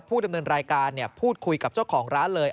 ดำเนินรายการพูดคุยกับเจ้าของร้านเลย